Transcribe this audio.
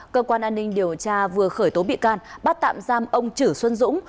cơ quan an ninh điều tra vừa khởi tố bị can bắt tạm giam ông chử xuân dũng